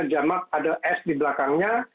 jamaat ada s di belakangnya